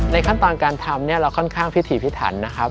ขั้นตอนการทำเนี่ยเราค่อนข้างพิถีพิถันนะครับ